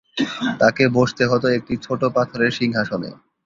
তাকে বসতে হতো একটি ছোট পাথরের সিংহাসনে।